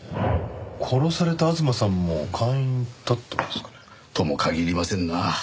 殺された吾妻さんも会員だったんですかね？とも限りませんな。